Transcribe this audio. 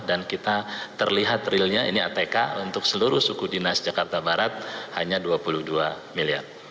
dan kita terlihat realnya ini atk untuk seluruh suku dinas jakarta barat hanya rp dua puluh dua miliar